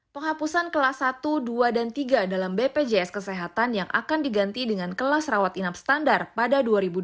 penghapusan kelas satu dua dan tiga dalam bpjs kesehatan yang akan diganti dengan kelas rawat inap standar pada dua ribu dua puluh